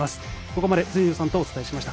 ここまで辻野さんとお伝えいたしました。